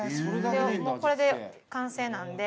もうこれで完成なんで。